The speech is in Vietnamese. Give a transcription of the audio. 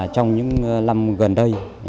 trong những năm gần đây